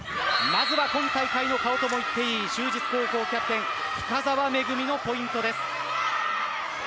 まずは今大会の顔とも言っていい就実高校・キャプテン深澤めぐみのポイントです。